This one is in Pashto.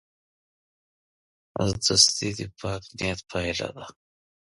دوستي د پاک نیت پایله ده.